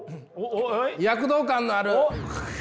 躍動感のある。